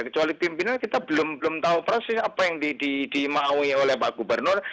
kecuali pimpinan kita belum tahu persis apa yang dimaui oleh pak gubernur